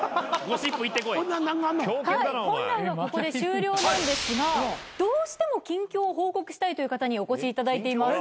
本来はここで終了なんですがどうしても近況を報告したいという方にお越しいただいています。